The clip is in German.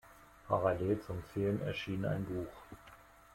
Parallel zum Film erschien ein Buch.